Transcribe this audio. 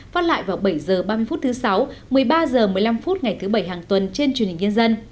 phát lại vào bảy h ba mươi phút thứ sáu một mươi ba h một mươi năm phút ngày thứ bảy hàng tuần trên truyền hình nhân dân